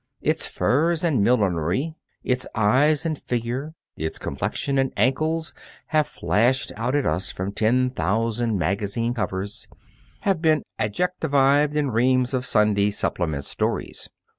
Its furs and millinery, its eyes and figure, its complexion and ankles have flashed out at us from ten thousand magazine covers, have been adjectived in reams of Sunday supplement stories.